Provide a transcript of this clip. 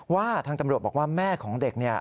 ว่าทางตำรวจบอกว่าแม่ของเด็กเนี่ย